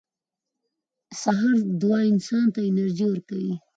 • د سهار دعا انسان ته انرژي ورکوي.